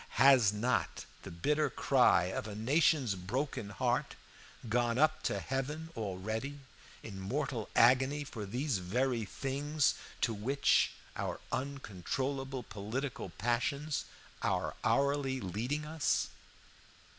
Has not the bitter cry of a nation's broken heart gone up to heaven already in mortal agony for these very things to which our uncontrollable political passions are hourly leading us?